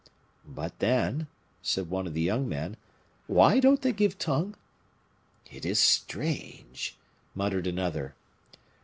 "But then," said one of the young men, "why don't they give tongue?" "It is strange!" muttered another.